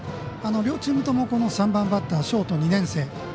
両チームとも３番バッター、ショート２年生。